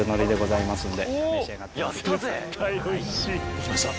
できました。